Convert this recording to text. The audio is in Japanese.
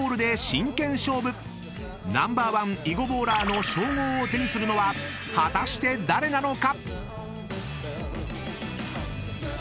［ナンバーワン囲碁ボーラーの称号を手にするのは果たして誰なのか⁉］